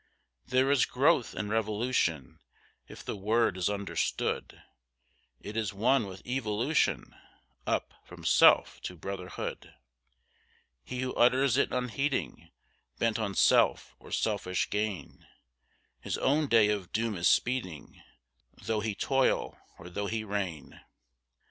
There is growth in Revolution, if the word is understood; It is one with Evolution, up from self, to brotherhood; He who utters it unheeding, bent on self, or selfish gain, His own day of doom is speeding, though he toil, or though he reign.